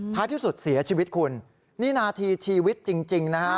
ที่สุดเสียชีวิตคุณนี่นาทีชีวิตจริงนะฮะ